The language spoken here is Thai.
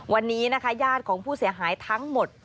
วันนี้นะคะญาติของผู้เสียหายทั้งหมด